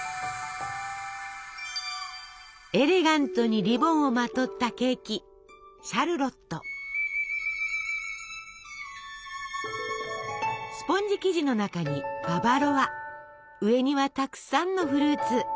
エレガントにリボンをまとったケーキスポンジ生地の中にババロア上にはたくさんのフルーツ。